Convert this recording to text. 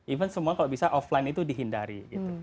even semua kalau bisa offline itu dihindari gitu